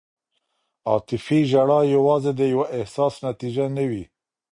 عاطفي ژړا یوازې د یو احساس نتیجه نه وي.